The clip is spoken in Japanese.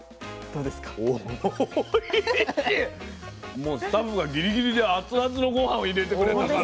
もうスタッフがぎりぎりで熱々のごはんを入れてくれたから。